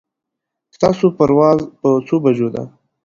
ستاسو پرواز په څو بجو ده